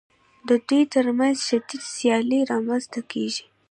د دوی ترمنځ شدیده سیالي رامنځته کېږي